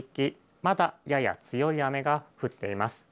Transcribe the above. まだやや強い雨が降っています。